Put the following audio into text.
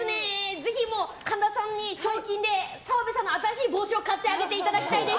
ぜひ神田さんに賞金で澤部さんに新しい帽子買ってあげていただきたいです。